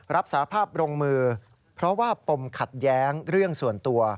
รับสาภาพลงมือเพราะว่าปมขัดแย้งเรื่องส่วนตัว